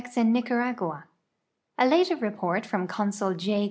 S IN NICAUACIA A later report iVoin Consul J.